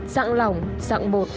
dạng lỏng dạng bột